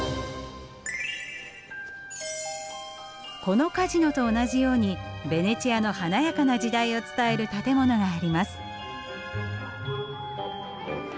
このカジノと同じようにベネチアの華やかな時代を伝える建物があります。